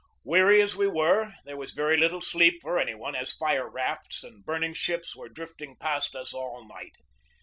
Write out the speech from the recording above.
Weary as we were, there was very little sleep for any one, as fire rafts and burning ships were drifting past us all night.